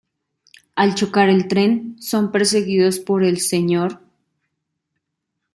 Al chocar el tren, son perseguidos por el Sr.